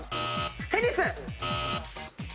テニス。